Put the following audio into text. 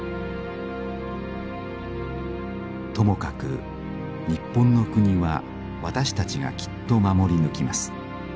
「ともかく日本の国は私たちがきっと守り抜きます。